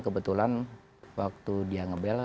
kebetulan waktu dia ngebel